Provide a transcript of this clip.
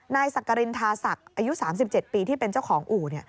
นายสักกรินทาศักดิ์อายุ๓๗ปีที่เป็นเจ้าของอู่